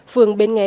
phường bến nghé